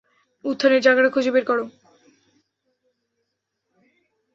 উত্থানের জায়গাটা খুঁজে বের করো।